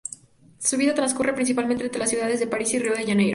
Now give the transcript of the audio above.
Su vida transcurre principalmente entre las ciudades de París y Río de Janeiro.